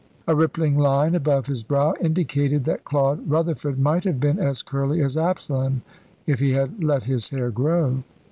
A rippling line above his brow indicated that Claude Rutherford might have been as curly as Absalom if he had let his hair grow.